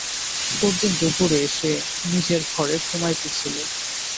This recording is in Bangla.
পরদিন দুপুরে সে নিজেব ঘরে ঘুমাইতেছিল।